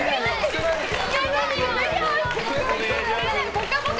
「ぽかぽか」